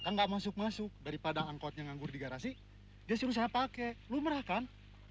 nggak masuk masuk daripada angkutnya nganggur di garasi dia suruh saya pakai lu merahkan